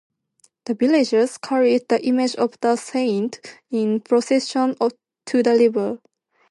The villagers carried the image of the saint in procession to the river.